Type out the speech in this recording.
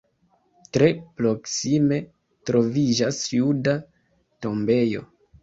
Tre proksime troviĝas juda tombejo.